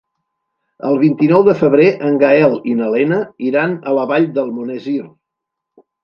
El vint-i-nou de febrer en Gaël i na Lena iran a la Vall d'Almonesir.